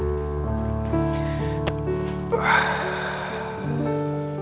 itu lebihgli enam gan